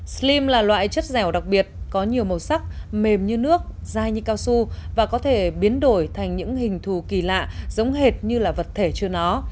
slim là loại chất dẻo đặc biệt có nhiều màu sắc mềm như nước dai như cao su và có thể biến đổi thành những hình thù kỳ lạ giống hệt như là vật thể chưa nó